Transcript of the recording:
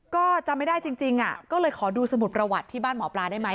ก็จำไม่ได้จริงก็เลยขอดูสมุดประวัติที่บ้านหมอปลาได้ไหม